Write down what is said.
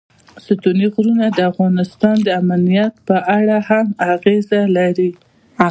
ستوني غرونه د افغانستان د امنیت په اړه هم اغېز لري.